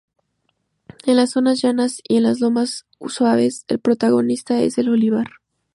En las zonas llanas y en las lomas suaves, el protagonista es el olivar.